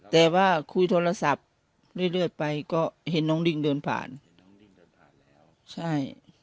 แต่ว่าคุยโทรศัพท์เรื่อยไปก็เห็นน้องดิ้งเดินผ่านน้องดิ้งเดินผ่านแล้วใช่